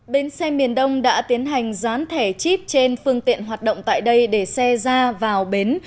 bến xe miền đông đã tiến hành dán thẻ chip trên phương tiện hoạt động tại đây để xe ra vào bến